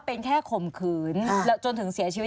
เป็นแค่ข่มขืนจนถึงเสียชีวิต